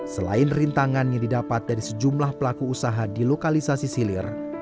selain rintangan yang didapat dari sejumlah pelaku usaha di lokalisasi silir